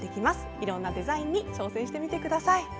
いろんなデザインに挑戦してみてください。